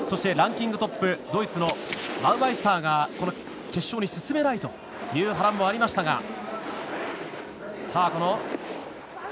ランキングトップ、ドイツのバウマイスターが決勝に進めないという波乱もありましたが。